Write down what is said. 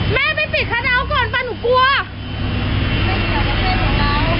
แม่ไปปิดคันเอาท์ก่อนป่ะหนูกลัว